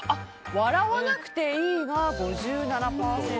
笑わなくていいが５７％。